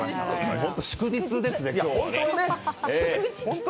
本当に祝日ですね、今日は。